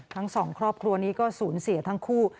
ทั้งสองครอบครัวนี้ก็สูญเสียทั้งคู่